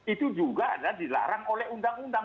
itu juga adalah dilarang oleh undang undang